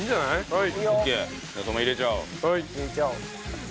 はい。